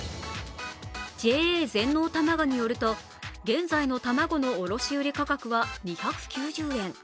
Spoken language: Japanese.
ＪＡ全農たまごによると、現在の卵の卸売価格は２９０円。